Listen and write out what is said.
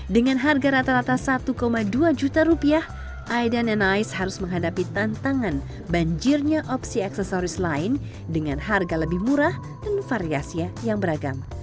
dengan harga rata rata satu dua juta rupiah aiden dan ais harus menghadapi tantangan banjirnya opsi aksesoris lain dengan harga lebih murah dan variasinya yang beragam